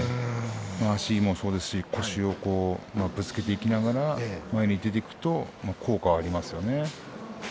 足もそうですし腰をぶつけていきながら前に出ていくと効果はあります。